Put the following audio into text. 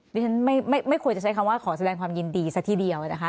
ดิฉันไม่ควรจะใช้คำว่าขอแสดงความยินดีซะทีเดียวนะคะ